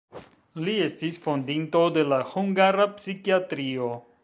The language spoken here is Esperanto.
Li estis fondinto de la hungara psikiatrio.